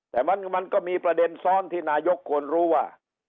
แต่มันก็มีประเด็นซ้อนที่นายกควรรู้ว่า